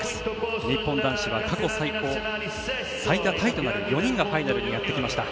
日本男子は過去最高最多タイとなる４人がファイナルにやってきました。